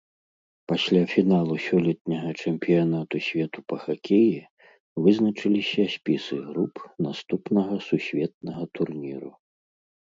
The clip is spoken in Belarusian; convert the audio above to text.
Пасля фіналу сёлетняга чэмпіянату свету па хакеі вызначыліся спісы груп наступнага сусветнага турніру.